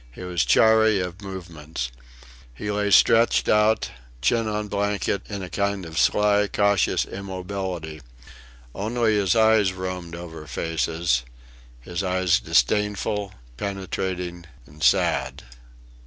He was chary of movements. He lay stretched out, chin on blanket, in a kind of sly, cautious immobility. Only his eyes roamed over faces: his eyes disdainful, penetrating and sad.